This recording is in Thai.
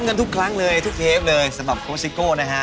กันทุกครั้งเลยทุกเทปเลยสำหรับโค้ซิโก้นะฮะ